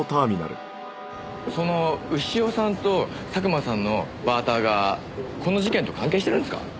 その潮さんと佐久間さんのバーターがこの事件と関係してるんですか？